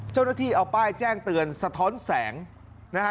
เจ้าหน้าที่เอาป้ายแจ้งเตือนสะท้อนแสงนะฮะ